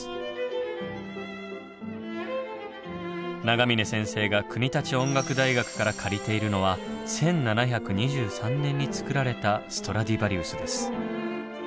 永峰先生が国立音楽大学から借りているのは１７２３年に作られたストラディバリウスです。